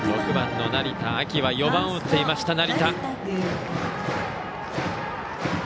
６番の成田秋は４番を打っていました。